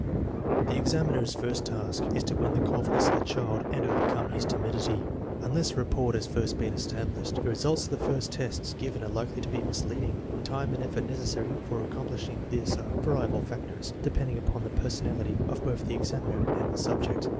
The examiner's first task is to win the confidence of the child and overcome his timidity. Unless rapport has first been established, the results of the first tests given are likely to be misleading. The time and effort necessary for accomplishing this are variable factors, depending upon the personality of both the examiner and the subject.